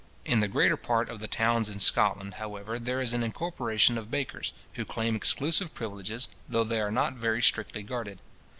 In the greater part of the towns in Scotland, however, there is an incorporation of bakers, who claim exclusive privileges, though they are not very strictly guarded.